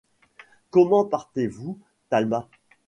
Comment partez-vous, Talma ?